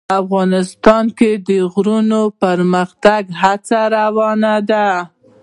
افغانستان کې د غرونه د پرمختګ هڅې روانې دي.